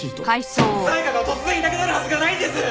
沙耶香が突然いなくなるはずがないんです！